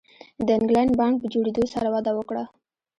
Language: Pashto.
د انګلینډ بانک په جوړېدو سره وده وکړه.